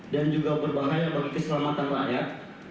dan juga berbahaya bagi keselamatan rakyat